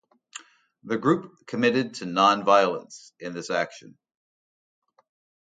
The group committed to nonviolence in this action.